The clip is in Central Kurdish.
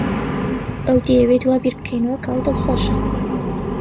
ئەو دەیەوێت وا بیر بکەینەوە کە ئەو دڵخۆشە.